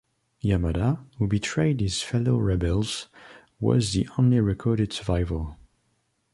Yamada, who betrayed his fellow rebels, was the only recorded survivor.